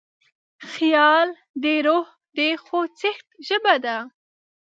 خیال د روح د خوځښت ژبه ده.